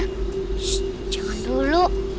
shh jangan dulu